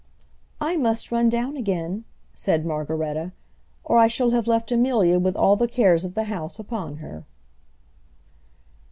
"I must run down again," said Margaretta, "or I shall have left Amelia with all the cares of the house upon her."